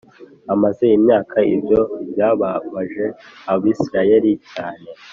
amaze imyaka Ibyo byababaje Abisirayeli cyane